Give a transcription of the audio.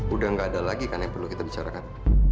udah gak ada lagi kan yang perlu kita bicarakan